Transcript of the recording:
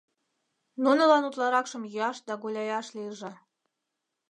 Нунылан утларакшым йӱаш да гуляяш лийже.